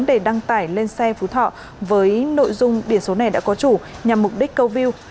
để đăng tải lên xe phú thọ với nội dung biển số này đã có chủ nhằm mục đích câu view